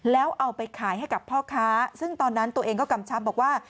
แล้วเอาไปขายให้กับพ่อค้าซึ่งตอนนั้นตัวเองก็กำชับบอกว่า